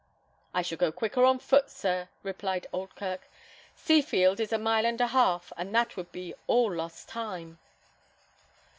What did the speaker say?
"I shall go quicker on foot, sir," replied Oldkirk. "Seafield is a mile and a half, and that would be all lost time."